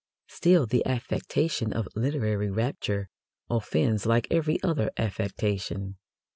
Still, the affectation of literary rapture offends like every other affectation.